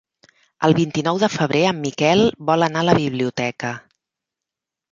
El vint-i-nou de febrer en Miquel vol anar a la biblioteca.